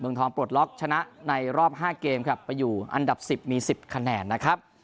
เมืองทองปลดล็อกชนะในรอบ๕เกมครับไปอยู่อันดับ๑๐มี๑๐คะแนนนะครับ